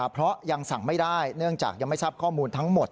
เพราะยังสั่งไม่ได้เนื่องจากยังไม่ทราบข้อมูลทั้งหมด